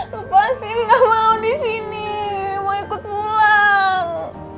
lepasin gak mau disini mau ikut pulang